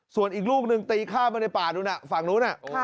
ส่วนอีกลูกหนึ่งตีข้ามมาในป่าดูน่ะฝั่งนู้นน่ะค่ะ